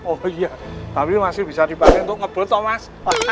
oh iya tapi masih bisa dipakai untuk ngebut thomas